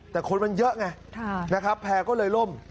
แต่คนมันเยอะไงแพร่ก็เลยล้ม